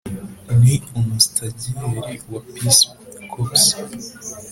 ni umusitagiyeri wa peace corps.